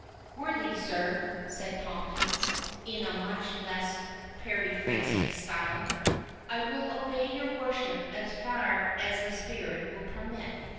"Worthy sir," said Tomkins, in a much less periphrastic style, "I will obey your worship as far as the spirit will permit.